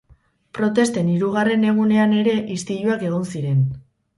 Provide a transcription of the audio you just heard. Protesten hirugarren egunean ere, istiluak egon ziren.